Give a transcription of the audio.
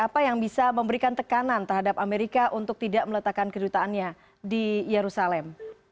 apa yang bisa memberikan tekanan terhadap amerika untuk tidak meletakkan kedutaannya di yerusalem